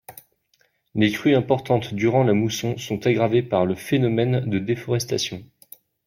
Les crues importantes durant la mousson sont aggravées par le phénomène de déforestation.